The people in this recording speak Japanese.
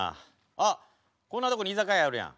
あっこんなとこに居酒屋あるやん。